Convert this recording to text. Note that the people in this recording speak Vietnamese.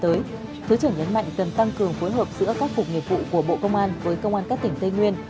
thứ trưởng nhấn mạnh cần tăng cường phối hợp giữa các cục nghiệp vụ của bộ công an với công an các tỉnh tây nguyên